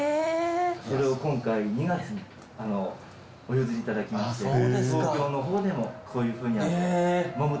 それを今回２月にお譲りいただきまして東京の方でもこういうふうに守ってくださいということで。